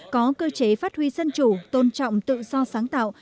có cơ chế phát huy dân chủ tôn trọng tự do sáng tạo